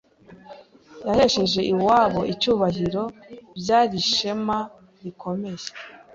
yahesheje iwabo icyubahiro byari ishema rikomeye.